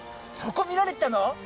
そこ見られてたの？